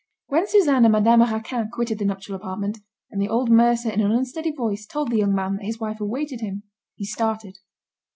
When Suzanne and Madame Raquin quitted the nuptial apartment, and the old mercer in an unsteady voice told the young man that his wife awaited him, he started.